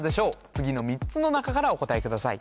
次の３つの中からお答えください